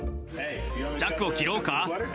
チャックを切ろうか？